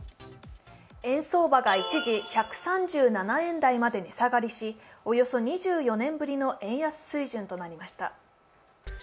円相場が一時、１３７円台にまで値下がりし、およそ２４年ぶりの円安水準となりました。